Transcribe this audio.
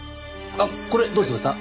これどうしました？